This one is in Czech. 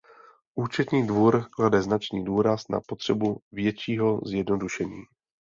Účetní dvůr klade značný důraz na potřebu většího zjednodušení.